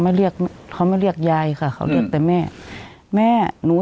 เรียกเขามาเรียกยายค่ะเขาเรียกแต่แม่แม่หนู